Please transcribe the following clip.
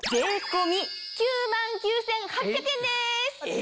え！